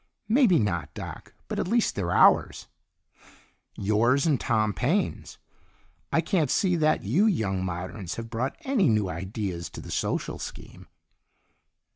"Maybe not, Doc, but at least they're ours." "Yours and Tom Paine's. I can't see that you young moderns have brought any new ideas to the social scheme."